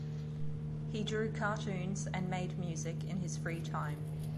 He drew cartoons and made music in his free time.